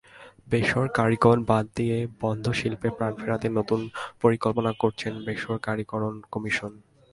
বেসরকারীকরণ বাদ দিয়ে বন্ধ শিল্পে প্রাণ ফেরাতে নতুন পরিকল্পনা করেছে বেসরকারীকরণ কমিশন।